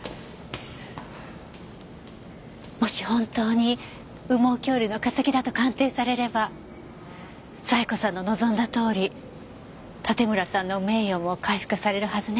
もし本当に羽毛恐竜の化石だと鑑定されれば冴子さんの望んだとおり盾村さんの名誉も回復されるはずね。